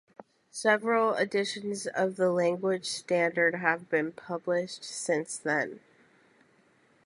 Several editions of the language standard have been published since then.